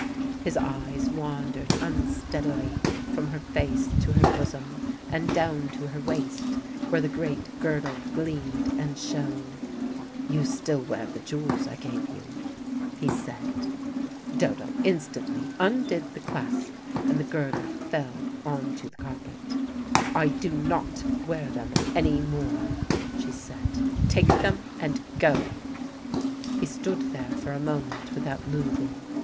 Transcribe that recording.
His eyes wandered unsteadily from her face to her bosom, and down to her waist where the great girdle gleamed and shone. "You still wear the jewels I gave you," he said. Dodo instantly undid the clasp, and the girdle fell on to the carpet. "I do not wear them any more," she said. "Take them, and go." He stood there for a moment without moving.